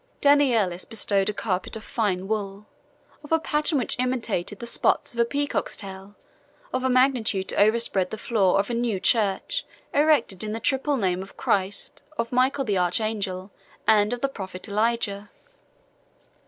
Danielis bestowed a carpet of fine wool, of a pattern which imitated the spots of a peacock's tail, of a magnitude to overspread the floor of a new church, erected in the triple name of Christ, of Michael the archangel, and of the prophet Elijah.